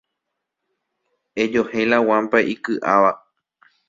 Ejohéi la guampa iky'áva.